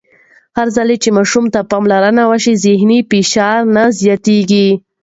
هرځل چې ماشوم ته پاملرنه وشي، ذهني فشار نه زیاتېږي.